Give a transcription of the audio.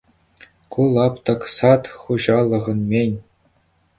Ку лаптӑк «Сад» хуҫалӑхӑн-мӗн.